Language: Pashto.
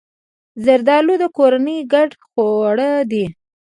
زردالو د کورنۍ ګډ خوړ دی.